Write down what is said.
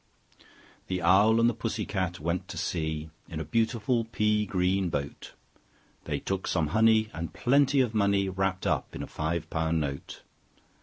The Owl and the Pussy Cat went to sea In a beautiful pea green boat: They took some honey, and plenty of money Wrapped up in a five pound note.